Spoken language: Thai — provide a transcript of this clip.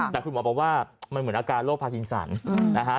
แต่คุณหมอบอกว่ามันเหมือนอาการโรคพากินสันนะฮะ